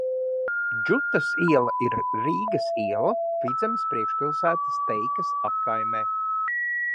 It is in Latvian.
Džutas iela ir Rīgas iela, Vidzemes priekšpilsētas Teikas apkaimē.